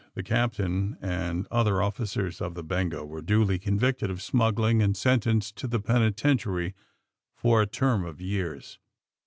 The captain and other offi cers of the ^'Bengo'' were duly convicted of smuggling, and sentenced to the penitentiary for a term of years.